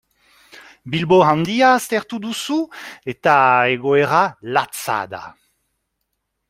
Bilbo Handia aztertu duzu eta egoera latza da.